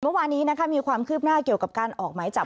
เมื่อวานนี้มีความคืบหน้าเกี่ยวกับการออกหมายจับ